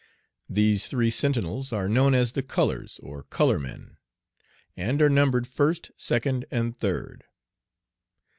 These three sentinels are known as the "colors," or "color men," and are numbered "first," "second," and "third."